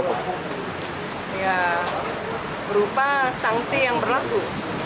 ya berupa sanksi yang berlaku